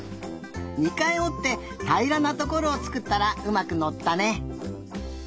２かいおってたいらなところをつくったらうまくのったね。